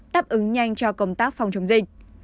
đáp ứng nhanh cho công tác phòng chống dịch